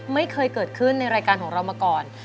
ไม่เคยเกิดขึ้นในรายการของเรามาก่อน